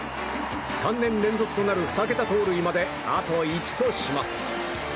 ３年連続となる２桁盗塁まであと１とします。